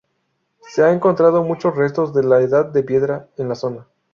Se han encontrado muchos restos de la Edad de Piedra en la zona.